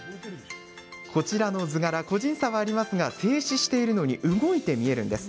こちらの図柄個人差はありますが静止しているのに動いて見えるんです。